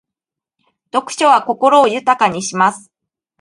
読書は心を豊かにします。